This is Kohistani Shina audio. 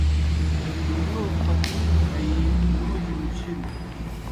مُلوک پَتنِیؤ آیِی موجیْ مُچِھلوْ۔